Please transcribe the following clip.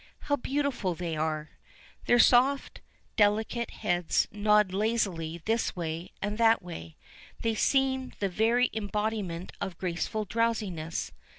How beautiful they are. Their soft, delicate heads nod lazily this way and that way. They seem the very embodiment of graceful drowsiness.